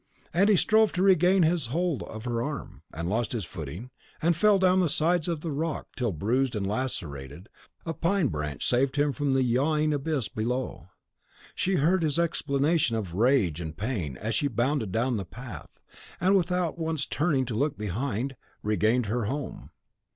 As he strove to regain his hold of her arm, he lost his footing, and fell down the sides of the rock till, bruised and lacerated, a pine branch saved him from the yawning abyss below. She heard his exclamation of rage and pain as she bounded down the path, and, without once turning to look behind, regained her home.